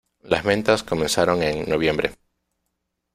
Las ventas comenzaron en noviembre.